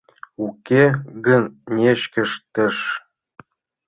Уке гын нечкештеш...